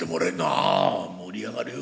「ああ盛り上がるよ。